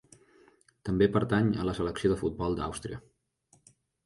També pertany a la selecció de futbol d'Àustria.